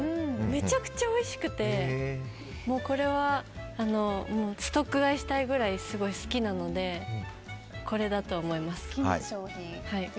めちゃくちゃおいしくてこれはストック買いしたいぐらいすごい好きなのでこれだと思います。